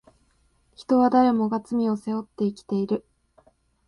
人は誰もが罪を背負って生きている